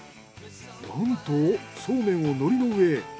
なんとそうめんを海苔の上へ。